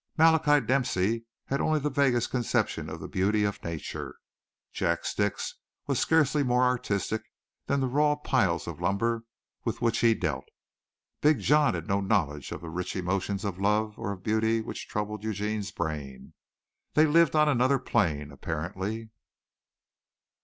Malachi Dempsey had only the vaguest conception of the beauty of nature. Jack Stix was scarcely more artistic than the raw piles of lumber with which he dealt. Big John had no knowledge of the rich emotions of love or of beauty which troubled Eugene's brain. They lived on another plane, apparently.